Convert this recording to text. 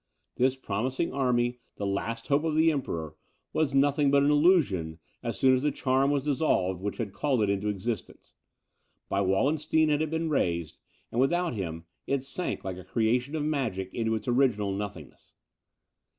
This promising army, the last hope of the Emperor, was nothing but an illusion, as soon as the charm was dissolved which had called it into existence; by Wallenstein it had been raised, and, without him, it sank like a creation of magic into its original nothingness.